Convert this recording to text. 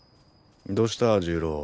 どうした重郎。